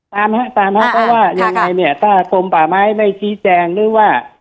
ตามครับตามครับว่ายังไงเนี่ยถ้าโครมป่าไม้ไม่ชี้แจงหรือว่า